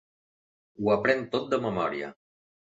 Ho aprèn tot de memòria.